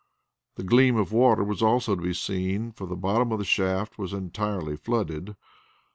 The gleam of water was also to be seen, for the bottom of the shaft was entirely flooded.